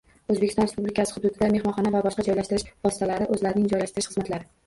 O’zbekiston Respublikasi hududida mehmonxona va boshqa joylashtirish vositalari o’zlarining joylashtirish xizmatlari